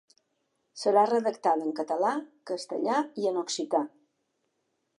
Serà redactada en català, castellà i en occità.